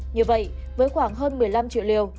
như vậy với khoảng hơn một mươi năm triệu liều